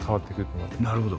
なるほど。